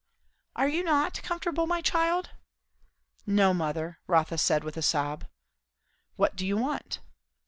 "Are you not comfortable, my child?" "No, mother," Rotha said with a sob. "What do you want?"